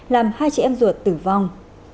làm hai chị em ruột tử vong